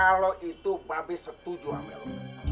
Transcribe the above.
kalau itu babi setuju sama lo